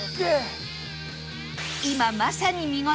今まさに見頃！